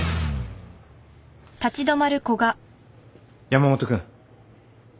山本君。